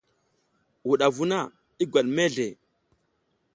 Wudavu na i gwat mezle.